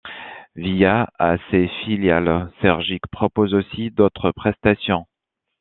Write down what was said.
Via à ses filiales, Sergic propose aussi d'autres prestations.